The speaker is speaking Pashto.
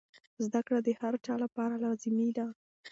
زده کړه د هر چا لپاره لازمي ده.